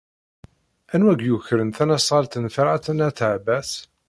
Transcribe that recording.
Anwa ay yukren tasnasɣalt n Ferḥat n At Ɛebbas?